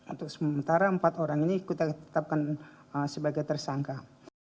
untuk sementara empat orang ini kita tetapkan sebagai tersangka